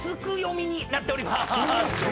実になっておりまーす。